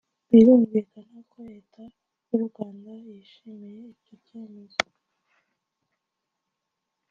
Birumvikana ko Leta y’u Rwanda yishimiye icyo cyemezo